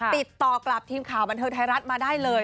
ติดต่อกับทีมข่าวบันเทิงไทยรัฐมาได้เลย